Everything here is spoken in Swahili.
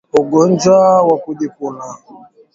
Ugonjwa wa kujikuna